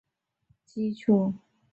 这些说法为受体学说奠定了基础。